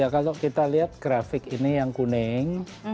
kalau kita lihat grafik ini yang kuning